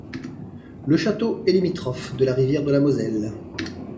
Le château est limitrophe de la rivière de la Moselle.